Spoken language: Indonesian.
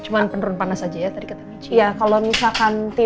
merasa lah pasti